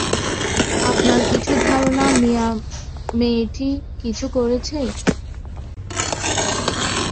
আপনার কি ধারণা মিয়া মেয়েটি কিছু করেছে?